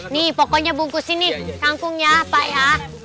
nih pokoknya bungkusin nih tangkungnya pak ya